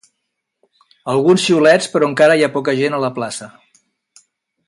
Alguns xiulets, però encara hi ha poca gent a la plaça.